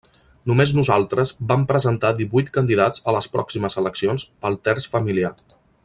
Només nosaltres vam presentar divuit candidats a les pròximes eleccions pel terç familiar.